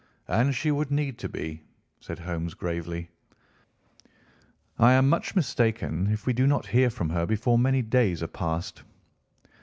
"And she would need to be," said Holmes gravely. "I am much mistaken if we do not hear from her before many days are past."